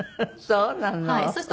そうなの？